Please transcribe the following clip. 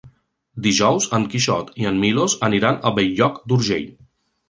Dijous en Quixot i en Milos aniran a Bell-lloc d'Urgell.